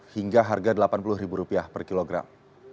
hingga harga rp delapan puluh per kilogram